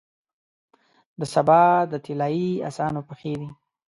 د سبا د طلایې اسانو پښې دی،